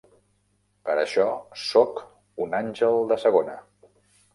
Per això soc un àngel de segona.